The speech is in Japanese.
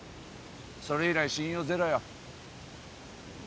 それ以来信用ゼロよ